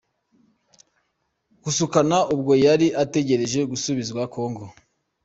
Kusukana ubwo yari ategereje gusubizwa Congo.